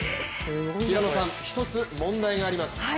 平野さん、一つ問題があります。